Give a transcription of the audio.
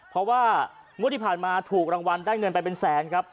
เพราะว่างวดที่ผ่านมาถูกรางวัลได้เงินไปเป็นแสนครับ